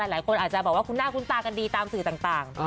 หลายคนอาจจะบอกว่าคุณหน้าคุ้นตากันดีตามสื่อต่าง